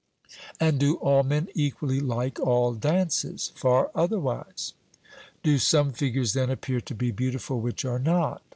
And do all men equally like all dances? 'Far otherwise.' Do some figures, then, appear to be beautiful which are not?